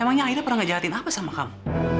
emangnya akhirnya pernah ngejahatin apa sama kamu